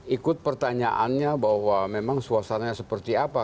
ikut pertanyaannya bahwa memang suasananya seperti apa